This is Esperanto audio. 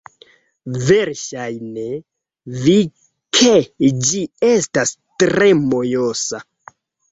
Verŝajne vi ke ĝi estas tre mojosa